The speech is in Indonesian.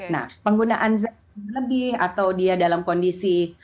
nah penggunaan zat lebih atau dia dalam kondisi